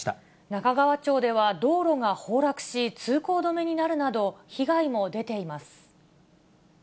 中川町では道路が崩落し、通行止めになるなど、被害も出ています。